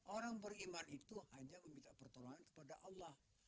orang beriman itu hanya meminta pertolongan kepada allah